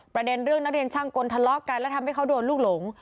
ประเด็นเรื่องนักเรียนช่างกลทะเลาะกันแล้วทำให้เขาโดนลูกหลง